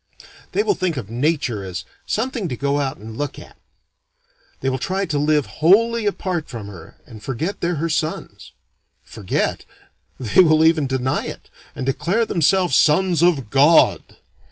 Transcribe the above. They will think of Nature as "something to go out and look at." They will try to live wholly apart from her and forget they're her sons. Forget? They will even deny it, and declare themselves sons of God.